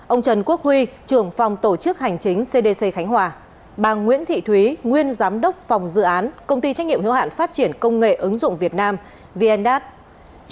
ông trần quốc huy trưởng phòng tổ chức hành chính cdc khánh hòa bà nguyễn thị thúy nguyên giám đốc phòng dự án công ty trách nhiệm hiếu hạn phát triển công nghệ ứng dụng việt nam vndat